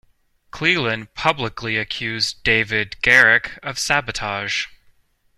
Cleland publicly accused David Garrick of sabotage.